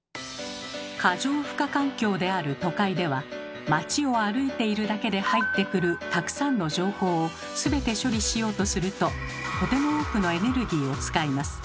過剰負荷環境である都会では街を歩いているだけで入ってくるたくさんの情報を全て処理しようとするととても多くのエネルギーを使います。